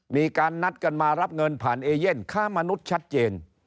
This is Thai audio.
มีการนัดกันมารับเงินผ่านเอเย่นค้ามนุษย์ชัดเจน